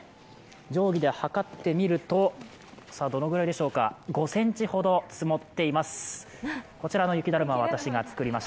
定規ではかってみると、どのぐらいでしょうか、５ｃｍほど積もっています。